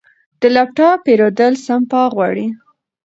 د لپ ټاپ پیرودل سپما غواړي.